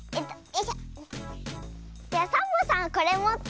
じゃあサボさんこれもって。